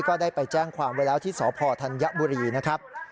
ก็ได้ไปแจ้งความไว้แล้วที่สพธัญบุรีนะครับ